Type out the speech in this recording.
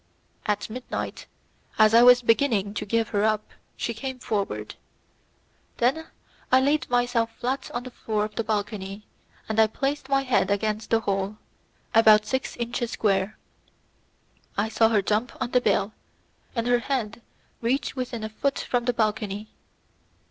At midnight, as I was beginning to give her up, she came forward. I then laid myself flat on the floor of the balcony, and I placed my head against the hole, about six inches square. I saw her jump on the bale, and her head reached within a foot from the balcony.